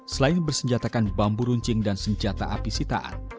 selain bersenjatakan bambu runcing dan senjata apisitaan